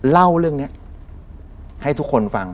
เล่าเรื่องนี้ให้ทุกคนฟัง